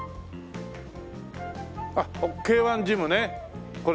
あっＫ−１ジムねこれ。